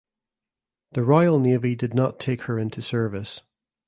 The Royal Navy did not take her into service.